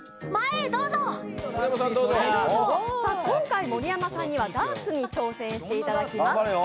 今回、盛山さんにはダーツに挑戦していただきます。